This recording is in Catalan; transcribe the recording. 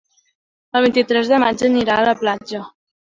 El vint-i-tres de maig anirà a la platja.